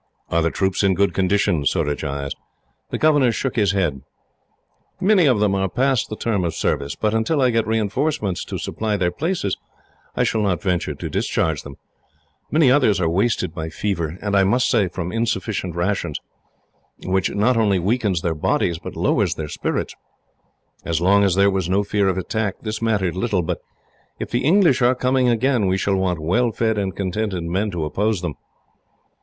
"Are the troops in good condition?" Surajah asked. The governor shook his head. "Many of them are past the term of service; but until I get reinforcements to supply their places, I shall not venture to discharge them. Many others are wasted by fever, and, I must say, from insufficient rations, which not only weakens their bodies, but lowers their spirits. As long as there was no fear of attack, this mattered little; but if the English are coming again, we shall want well fed and contented men to oppose them.